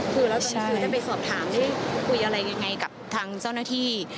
คือแล้วคือได้ไปสอบถามได้คุยอะไรยังไงกับทางเจ้าหน้าที่